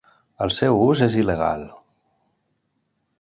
El seu ús és il·legal.